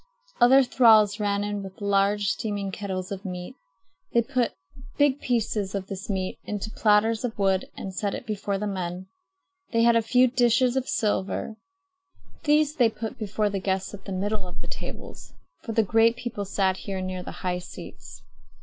Other thralls ran in with large steaming kettles of meat. They put big pieces of this meat into platters of wood and set it before the men. They had a few dishes of silver. These they put before the guests at the middle of the tables; for the great people sat here near the high seats.